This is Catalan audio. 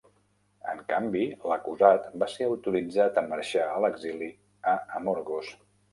En canvi, l'acusat va ser autoritzat a marxar a l'exili a Amorgos